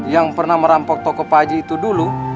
yang pernah merampok toko pak haji itu dulu